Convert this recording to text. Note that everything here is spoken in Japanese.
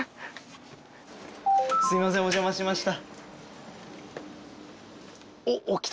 すいませんお邪魔しました。